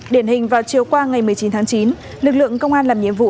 điển hình vào chiều qua ngày một mươi chín tháng chín lực lượng công an làm nhiệm vụ